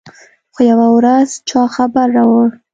خو يوه ورځ چا خبر راوړ.